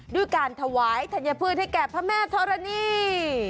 ด้วยการถวายธัญพืชให้แก่พระแม่ธรณี